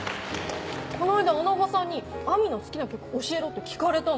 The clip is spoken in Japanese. この間あのおばさんに亜美の好きな曲教えろって聞かれたの。